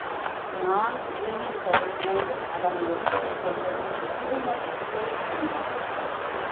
நான் உரிமை தரும்போது அதனை எடுத்துக்கொள்வதில் சிறுமை இல்லை என்றான்.